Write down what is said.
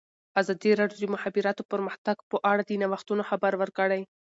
ازادي راډیو د د مخابراتو پرمختګ په اړه د نوښتونو خبر ورکړی.